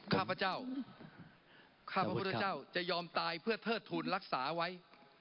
ข้าพเจ้าข้าพระพุทธเจ้าจะยอมตายเพื่อเทิดทุนรักษาไว้